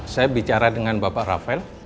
saya bicara dengan bapak rafael